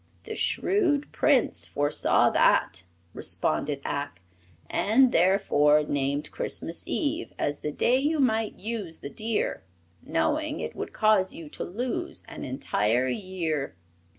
"The shrewd Prince foresaw that," responded Ak, "and therefore named Christmas Eve as the day you might use the deer, knowing it would cause you to lose an entire year."